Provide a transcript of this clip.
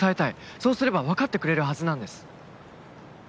そうすれば分かってくれるはずなんです。